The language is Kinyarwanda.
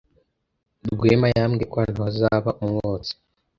Rwema yambwiye ko hano hazaba umwotsi.